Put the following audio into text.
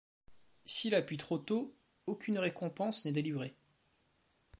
S'il appuie trop tôt, aucune récompense n'est délivrée.